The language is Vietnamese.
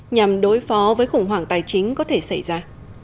nhằm đối phó với khủng hoảng tài chính có thể xảy ra